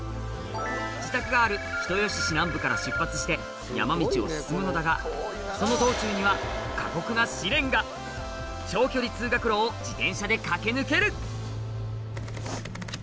自宅がある人吉市南部から出発して山道を進むのだがその道中には長距離通学路を自転車で駆け抜ける！